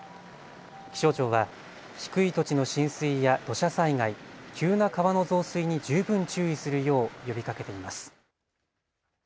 気象庁は低い土地の浸水や土砂災害、急な川の増水に十分注意するよう呼びかけています。